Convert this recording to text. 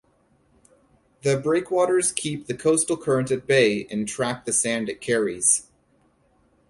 The breakwaters keep the coastal current at bay and trap the sand it carries.